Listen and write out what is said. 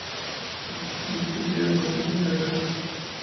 মনটা যে সংগীতকে দিয়ে বসেছিলেন আগেই।